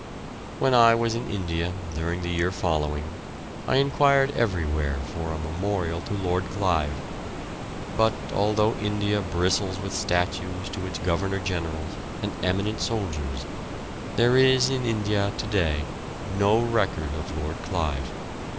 When I was in India during the year following I enquired everywhere for a memorial to Lord Clive, but, although India bristles with statues to its governor generals and eminent soldiers, there is in India to day no record of Lord Clive.